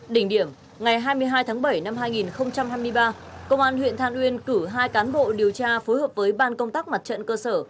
đỉnh điểm ngày hai mươi hai tháng bảy năm hai nghìn hai mươi ba công an huyện than uyên cử hai cán bộ điều tra phối hợp với ban công tác mặt trận cơ sở